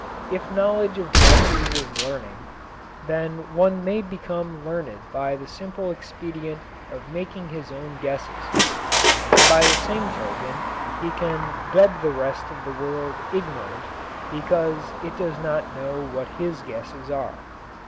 If knowledge of guesses is learning, then one may become learned by the simple expedient of making his own guesses. And by the same token he can dub the rest of the world "ignorant" because it does not know what his guesses are.